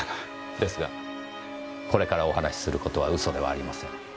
ですがこれからお話しする事は嘘ではありません。